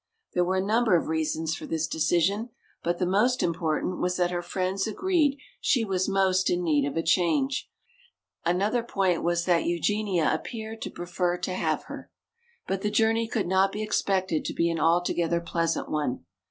There were a number of reasons for this decision, but the most important was that her friends agreed she was most in need of a change. Another point was that Eugenia appeared to prefer to have her. But the journey could not be expected to be an altogether pleasant one.